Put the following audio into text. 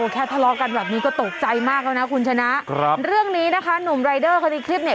แค่ทะลอกันแบบนี้ก็โต๊ะใจมากแล้วนะคุณชนะเรื่องนี้นะคะหนุ่มรายเดอร์คันที่ทำอีกคลิปก็นี่